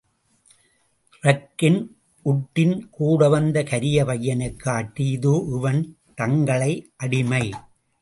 ரக்கின் உட்டின் கூடவந்த கரிய பையனைக் காட்டி, இதோ இவன் தங்களை அடிமை.